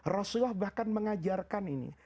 rasulullah bahkan mengajarkan ini